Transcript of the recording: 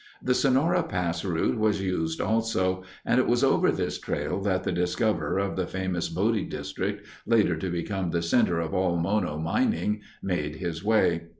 The Sonora Pass route was used also, and it was over this trail that the discoverer of the famous Bodie district, later to become the center of all Mono mining, made his way.